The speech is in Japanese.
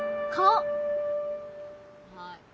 はい。